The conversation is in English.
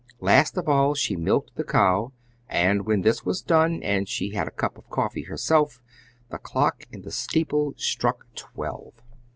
Last of all, she milked the cow, and when this was done, and she had had a cup of coffee herself, the clock in the steeple struck twelve.